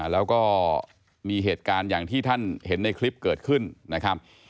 แล้วก็มีเหตุการณ์อย่างที่ท่านเห็นในคลิปเกิดขึ้นนะครับ